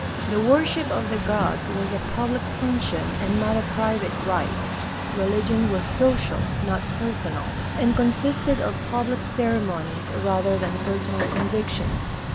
The worship of the gods was a public function and not a private right. Religion was social, not personal, and consisted of public ceremonies rather than personal convictions.